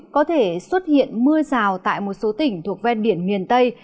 có thể xuất hiện mưa rào tại một số tỉnh thuộc ven biển miền tây